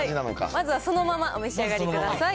まずはそのままお召し上がりください。